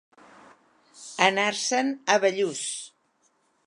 Anar-se'n a Bellús.